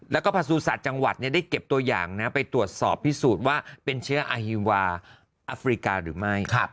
แล้วก็ประสูจัตว์จังหวัดได้เก็บตัวอย่างไปตรวจสอบพิสูจน์ว่าเป็นเชื้ออาฮิวาอัฟริกาหรือไม่